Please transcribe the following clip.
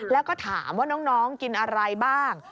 แล้วก็ถามว่าน้องกินอะไรบ้าง